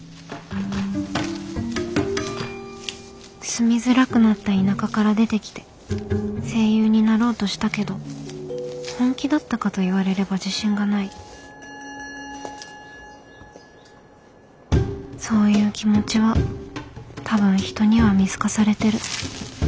住みづらくなった田舎から出てきて声優になろうとしたけど本気だったかと言われれば自信がないそういう気持ちは多分人には見透かされてる。